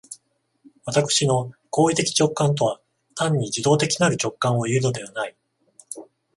私の行為的直観とは単に受働的なる直覚をいうのではない。